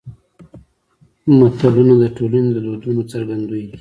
متلونه د ټولنې د دودونو څرګندوی دي